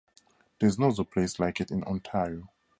There is no other place like it in Ontario.